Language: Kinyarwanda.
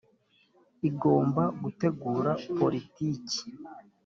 igomba gutegura politiki